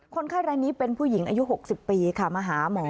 คนไข้รายนี้เป็นผู้หญิงอายุ๖๐ปีค่ะมาหาหมอ